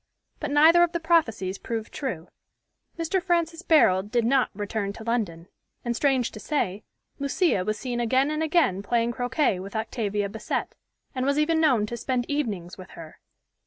But neither of the prophecies proved true. Mr. Francis Barold did not return to London; and, strange to say, Lucia was seen again and again playing croquet with Octavia Bassett, and was even known to spend evenings with her.